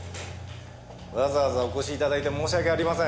わざわざお越し頂いて申し訳ありません。